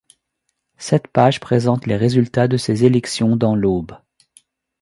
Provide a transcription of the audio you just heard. Cette page présente les résultats de ces élections dans l'Aube.